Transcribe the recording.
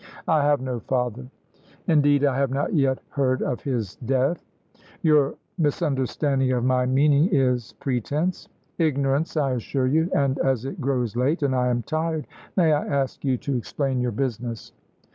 "I have no father." "Indeed, I have not yet heard of his death." "Your misunderstanding of my meaning is pretence." "Ignorance, I assure you. And as it grows late and I am tired, may I ask you to explain your business?"